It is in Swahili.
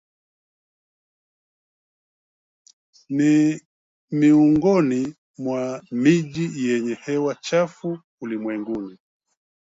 ni miongoni mwa miji yenye hewa chafu ulimwenguni